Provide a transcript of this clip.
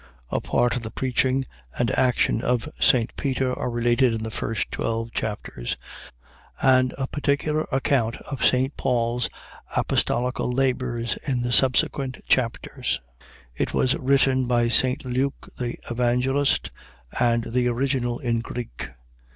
A part of the preaching and action of St. Peter are related in the first twelve chapters; and a particular account of St. Paul's apostolical labours in the subsequent chapters. It was written by St. Luke the Evangelist, and the original in Greek.